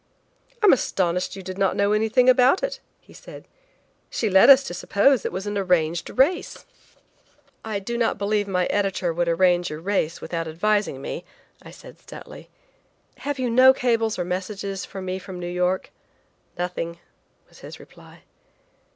"I'm astonished you did not know anything about it," he said. "She led us to suppose that it was an arranged race." "I do not believe my editor would arrange a race without advising me," I said stoutly. "Have you no cables or messages for me from New York?" "Nothing," was his reply.